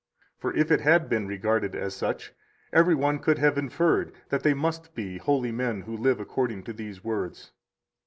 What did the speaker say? For if it had been regarded as such, every one could have inferred that they must be holy men who live according to these words.